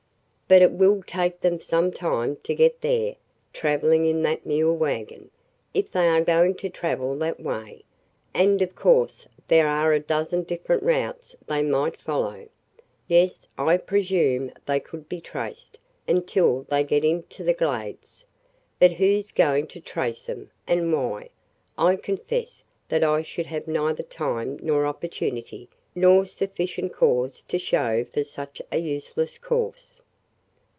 But it will take them some time to get there, traveling in that mule wagon, if they are going to travel that way; and of course there are a dozen different routes they might follow. Yes, I presume they could be traced – until they get into the Glades. But who 's going to trace 'em – and why? I confess that I should have neither time nor opportunity nor sufficient cause to show for such a useless course!"